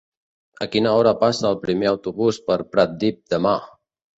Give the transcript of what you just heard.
A quina hora passa el primer autobús per Pratdip demà?